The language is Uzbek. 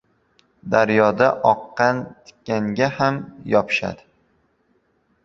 • Daryoda oqqan tikanga ham yopishadi.